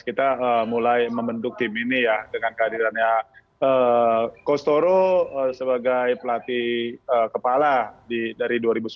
kita mulai membentuk tim ini ya dengan kehadirannya costoro sebagai pelatih kepala dari dua ribu sembilan belas